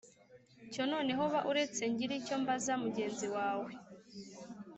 Cyo noneho ba uretse ngire icyo mbaza mugenzi wawe